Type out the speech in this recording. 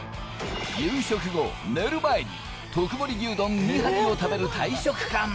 夕食後、寝る前に特盛牛丼２杯を食べる大食漢。